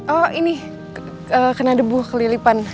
oh ini kena debu kelilipan